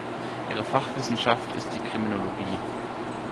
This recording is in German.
Ihre Fachwissenschaft ist die Kriminologie.